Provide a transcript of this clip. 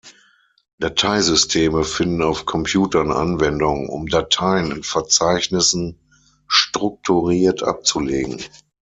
Dateisysteme finden auf Computern Anwendung, um Dateien in Verzeichnissen strukturiert abzulegen.